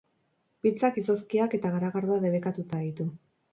Pizzak, izozkiak eta garagardoa debekatuta ditu.